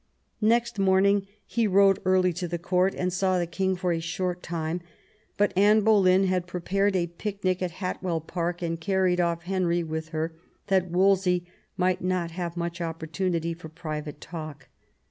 Next morning he rode early to the Court, and saw the king for a short time ; but Anne Bolejm had prepared a picnic at Hatwell Park, and carried off Henry with her, that Wolsey might not have much opportunity for private talk.